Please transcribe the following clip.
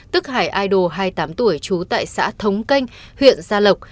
tức hải ido hai mươi tám tuổi trú tại xã thống canh huyện gia lộc